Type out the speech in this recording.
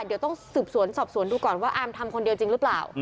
เดี๋ยวต้องสืบสวนสอบสวนดูก่อนว่าอามทำคนเดียวจริงหรือเปล่า